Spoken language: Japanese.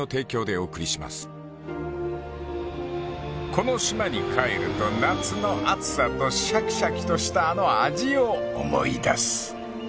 ［この島に帰ると夏の暑さとシャキシャキとしたあの味を思い出す］